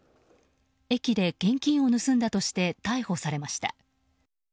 駅で現金を盗んだとして逮捕されました。